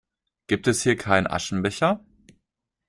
Gibt es hier keinen Aschenbecher?